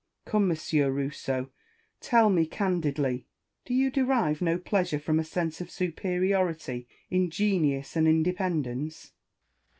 Come, M. Rousseau, tell me candidly, do you derive no pleasure from a sense of superiority in genius and independence